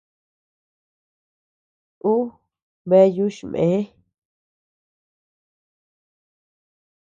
Uu bea yuchmee.